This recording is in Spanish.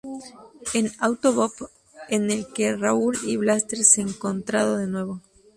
En "Auto-Bop" en el que el Raúl y Blaster se encontrado de nuevo.